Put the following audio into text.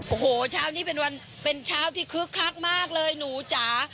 โอ้โหเช้านี้เป็นวันเป็นเช้าที่คึกคักมากเลยหนูจ๋า